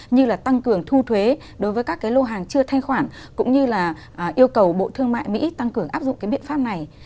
như là tăng cường thu thuế đối với các cái lô hàng chưa thanh khoản cũng như là yêu cầu bộ thương mại mỹ tăng cường áp dụng cái biện pháp này